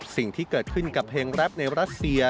สิ่งที่เกิดขึ้นกับเพลงแรปในรัสเซีย